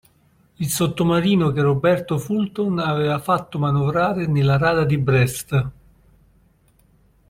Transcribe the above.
Il sottomarino che Roberto Fulton aveva fatto manovrare nella rada di Brest.